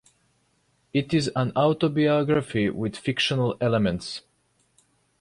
It is an autobiography with fictional elements.